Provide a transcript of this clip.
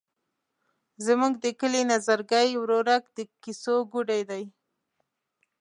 زموږ د کلي نظرګي ورورک د کیسو ګوډی دی.